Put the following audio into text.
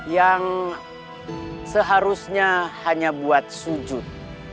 yang seharusnya hanya buat sujud